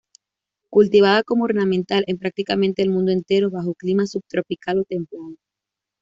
Cultivada como ornamental en prácticamente el mundo entero, bajo clima subtropical o templado.